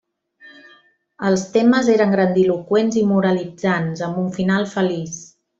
Els temes eren grandiloqüents i moralitzants, amb un final feliç.